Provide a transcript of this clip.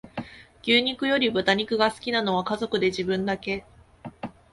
牛肉より豚肉が好きなのは家族で自分だけ